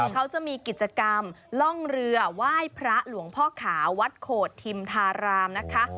เขาจะมีกิจกรรมล่องเรือไหว้พระหลวงพ่อขาววัดโขดทิมธารามนะคะ